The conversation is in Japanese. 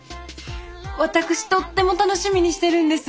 私とっても楽しみにしてるんです。